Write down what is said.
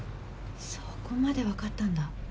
そこまで分かったんだ。